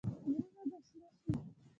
غرونه به شنه شي.